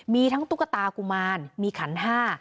มีทั้งตุ๊กตากุมารมีขันห้า